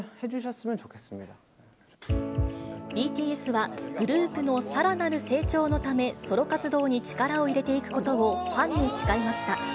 ＢＴＳは、グループのさらなる成長のため、ソロ活動に力を入れていくことをファンに誓いました。